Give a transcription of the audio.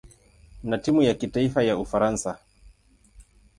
na timu ya kitaifa ya Ufaransa.